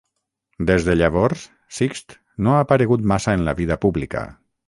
Des de llavors, Sixt no ha aparegut massa en la vida pública.